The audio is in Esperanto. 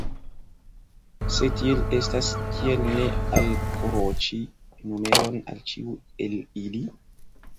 Se tiel estas, kial ne alkroĉi numeron al ĉiu el ili?